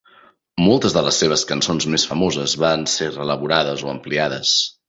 Moltes de les seves cançons més famoses van ser reelaborades o ampliades.